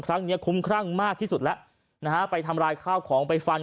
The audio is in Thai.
ครั้งนี้คุ้มครั่งมากที่สุดแล้วนะฮะไปทำลายข้าวของไปฟัน